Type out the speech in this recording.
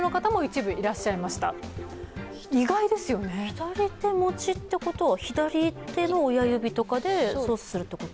左手持ちってことは、左手の親指とかで操作するってこと？